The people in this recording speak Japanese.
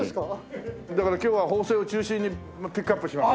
だから今日は法政を中心にピックアップします。